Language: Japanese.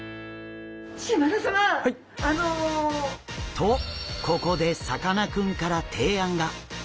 とここでさかなクンから提案が。